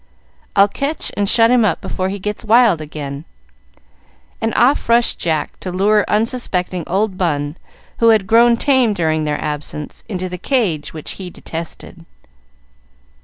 I'll catch and shut him up before he gets wild again;" and off rushed Jack to lure unsuspecting old Bun, who had grown tame during their absence, into the cage which he detested.